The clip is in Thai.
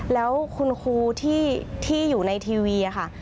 แล้วคุณครูที่อยู่ในทีวีค่ะ